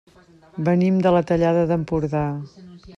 Venim de la Tallada d'Empordà.